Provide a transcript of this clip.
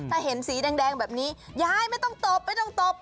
ถ้าเห็นสีแดงแบบนี้ยายไม่ต้องตบ